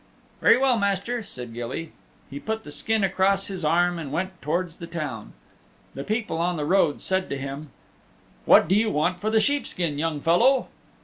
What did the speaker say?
"Very well, Master," said Gilly. He put the skin across his arm and went towards the town. The people on the road said to him, "What do you want for the sheep skin, young fellow?"